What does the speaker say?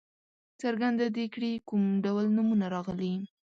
څرګنده دې کړي کوم ډول نومونه راغلي.